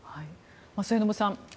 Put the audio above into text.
末延さん